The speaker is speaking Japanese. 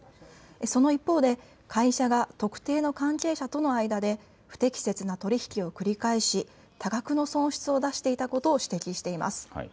その一方で会社は特定の関係者との間で不適切な取り引きを繰り返し多額の損失を出していたことを指摘しています。